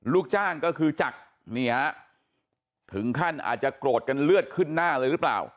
ลูกจ้างก็คือจักรนี่ฮะถึงขั้นอาจจะโกรธกันเลือดขึ้นหน้าเลยหรือเปล่า